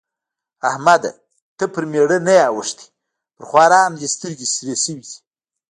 احمده! ته پر مېړه نه يې اوښتی؛ پر خوارانو دې سترګې سرې شوې دي.